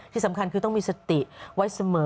ที่สำคัญคือต้องมีสติไว้เสมอ